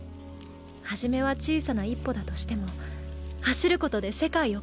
初めは小さな一歩だとしても走る事で世界を変えたいんだ。